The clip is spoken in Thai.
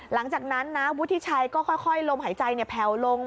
หลังจากนั้นนะวุฒิชัยก็ค่อยลมหายใจแผ่วลง